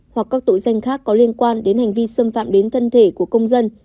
hoặc các tội danh khác có liên quan đến hành vi xâm phạm đến thân thể của công dân